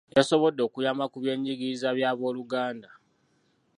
Yasoboddde okuyamba ku by'enjigiriza bya b'oluganda .